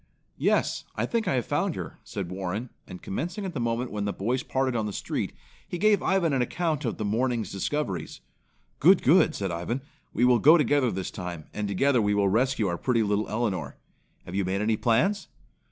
"Yes, I think I have found her," said Warren and commencing at the moment when the boys parted on the street, he gave Ivan an account of his morning's discoveries. "Good! Good!" said Ivan. "We will go together this time, and together we will rescue our pretty little Elinor. Have you made any plans?"